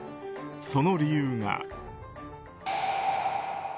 その理由が。